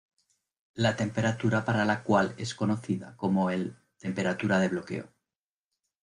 La temperatura para la cual es conocida como el "temperatura de bloqueo.